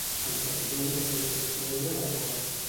El patidor no se'l pot treure del cor.